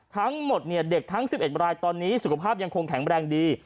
ทั้งหมดเด็กทั้ง๑๑รายตอนนี้สุขภาพยังคงแข็งแรงดี